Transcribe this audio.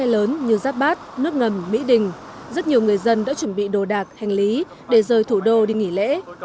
tại các bến xe lớn như giáp bát nước ngầm mỹ đình rất nhiều người dân đã chuẩn bị đồ đạc hành lý để rời thủ đô đi nghỉ lễ